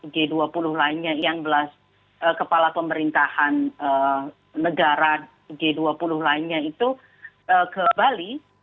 g dua puluh lainnya yang belas kepala pemerintahan negara g dua puluh lainnya itu ke bali